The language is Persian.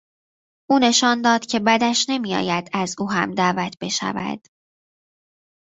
او نشان داد که بدش نمیآید از او هم دعوت بشود.